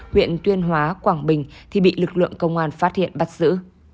huyện tuyên hóa quảng bình thì bị lực lượng công an phát hiện bắt giữ